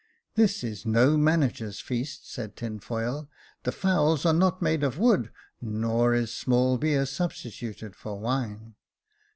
" This is no manager's feast," said Tinfoil ;the fowls are not made of wood, nor is small beer substituted for wine.